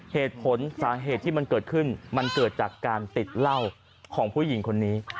เหตุผลสาเหตุที่มันเกิดขึ้นมันเกิดจากการติดเหล้าของผู้หญิงคนนี้